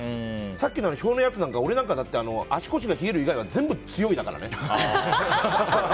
さっきの表のやつなんか俺だって足腰が冷える以外は全部、強いだからね。